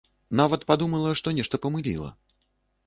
Нават падумала, што нешта памыліла.